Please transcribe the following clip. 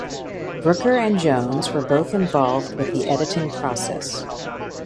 Brooker and Jones were both involved with the editing process.